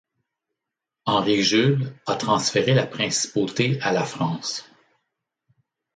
Henri-Jules a transféré la principauté à la France.